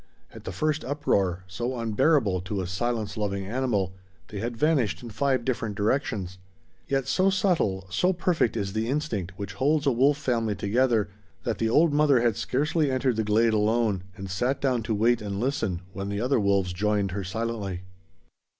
At the first uproar, so unbearable to a silence loving animal, they had vanished in five different directions; yet so subtle, so perfect is the instinct which holds a wolf family together that the old mother had scarcely entered the glade alone and sat down to wait and listen when the other wolves joined her silently.